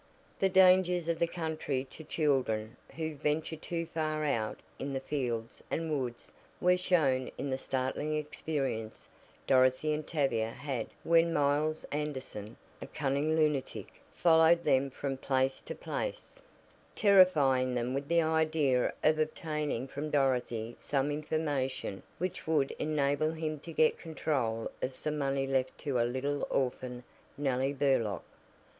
The dangers of the country to children who venture too far out in the fields and woods were shown in the startling experience Dorothy and Tavia had when Miles Anderson, a cunning lunatic, followed them from place to place, terrifying them with the idea of obtaining from Dorothy some information which would enable him to get control of some money left to a little orphan Nellie Burlock.